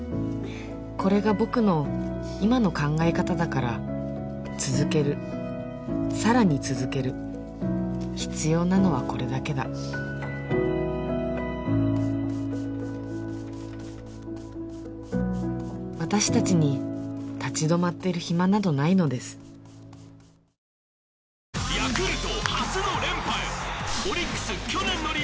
これが僕の今の考え方だから続けるさらに続ける必要なのはこれだけだ私達に立ち止まってる暇などないのですおわんわーん